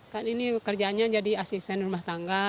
kan ini kerjaannya jadi asisten rumah tangga